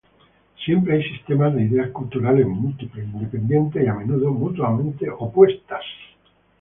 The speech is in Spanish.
Siempre hay sistemas de ideas culturales múltiples, independientes y a menudo mutuamente opuestos.